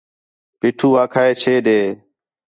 پیٹھو آکھا ہے چھے ݙے